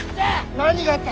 何があった！？